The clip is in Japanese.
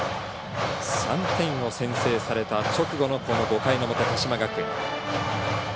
３点を先制された直後のこの５回の表、鹿島学園。